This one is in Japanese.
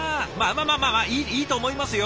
まあまあまあいいと思いますよ！